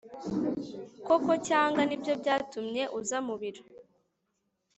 koko Cyanga nibyo byatumye uza mubiro